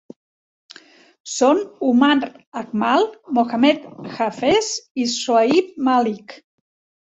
Són Umar Akmal, Mohammad Hafeez i Shoaib Malik.